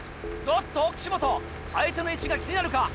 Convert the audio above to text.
おっと岸本相手の位置が気になるか？